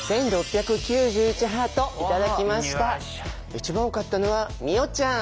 一番多かったのは美音ちゃん。